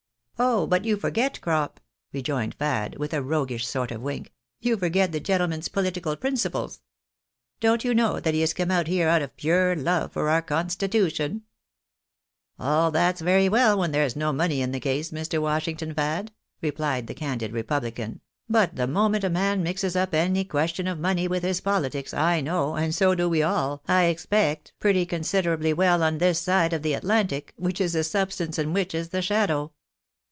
" Oh ! but you forget, Crop," rejoined Fad, with a roguish sort of wink, " you forget the gentleman's political principles. Don't you know that he is come out here out of pure love for our con stitution ?"" All that's very well when there's no money in the case, Mr. Washington Fad," replied the candid republican ;" but the moment a man mixes up any question of money with his politics, I know, and so we do all, I expect, pretty considerably well on this side of the Atlantic, which is the substance and which is the shadow."